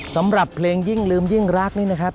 สำหรับเพลงยิ่งลืมยิ่งรักนี่นะครับ